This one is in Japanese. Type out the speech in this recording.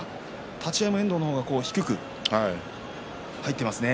立ち合いも遠藤の方が低く入っていますね。